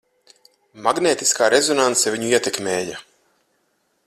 Magnētiskā rezonanse viņu ietekmēja.